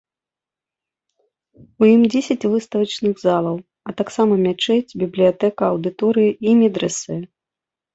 У ім дзесяць выставачных залаў, а таксама мячэць, бібліятэка, аўдыторыі і медрэсэ.